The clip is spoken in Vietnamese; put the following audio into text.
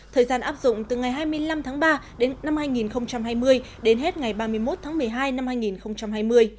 thời gian áp dụng từ ngày hai mươi năm tháng ba đến năm hai nghìn hai mươi đến hết ngày ba mươi một tháng một mươi hai năm hai nghìn hai mươi